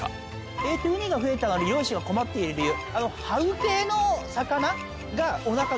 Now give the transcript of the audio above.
えっとウニが増えたのに漁師が困っている理由。